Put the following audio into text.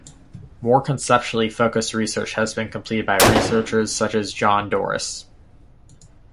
More conceptually focused research has been completed by researchers such as John Doris.